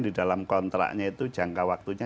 di dalam kontraknya itu jangka waktunya